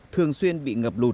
thường xuyên bị ngập đất